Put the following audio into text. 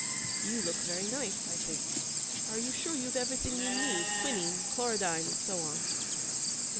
'You look very nice, I think. Are you sure you've everything you'll need quinine, chlorodyne, and so on?'